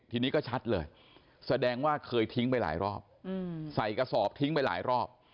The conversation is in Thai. ทีนี้ก็ชัดเลยแสดงว่าเคยทิ้งไปหลายรอบใส่กระสอบทิ้งไปหลายรอบ